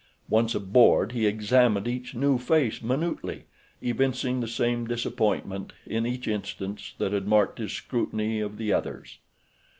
Once aboard he examined each new face minutely, evincing the same disappointment in each instance that had marked his scrutiny of the others.